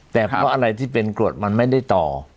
แต่เพราะอะไรที่เป็นกรวดมันไม่ได้ต่อ